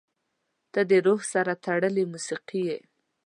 • ته د روح سره تړلې موسیقي یې.